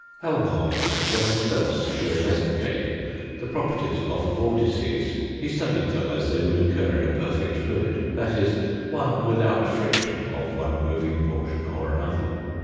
Helmholtz was the first to investigate the properties of vortices. He studied them as they would occur in a perfect fluid that is, one without friction of one moving portion or another.